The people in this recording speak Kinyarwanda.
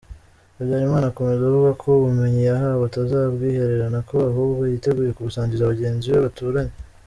Habyarima akomeza avuga ko ubumenyi yahawe atazabwihererana ko ahubwo yiteguye kubusangiza bagenzi be baturanye.